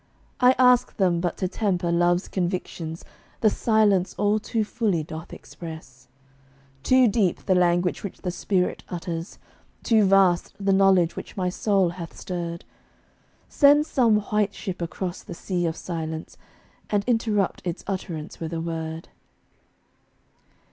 I ask them but to temper love's convictions The Silence all too fully doth express. Too deep the language which the spirit utters; Too vast the knowledge which my soul hath stirred. Send some white ship across the Sea of Silence, And interrupt its utterance with a word.